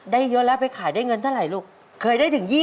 ได้เยอะแล้วไปขายได้เงินเท่าไรลูกเคยได้ถึง๒๐บาทไหม